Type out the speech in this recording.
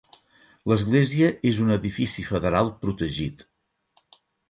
L'església és un edifici federal protegit.